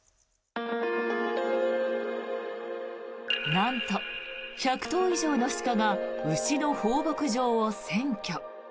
なんと、１００頭以上の鹿が牛の放牧場を占拠。